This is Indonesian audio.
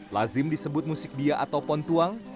lazim disebut musik bia atau pontuang